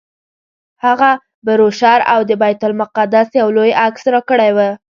هغه بروشر او د بیت المقدس یو لوی عکس راکړی و.